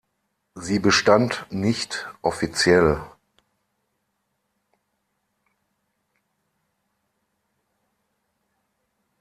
Sie bestand nicht offiziell.